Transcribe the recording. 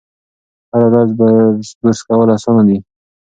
هره ورځ برس کول اسانه دي.